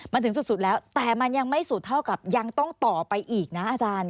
มันถึงสุดแล้วแต่มันยังไม่สุดเท่ากับยังต้องต่อไปอีกนะอาจารย์